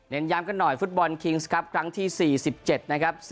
ย้ำกันหน่อยฟุตบอลคิงส์ครับครั้งที่๔๗นะครับ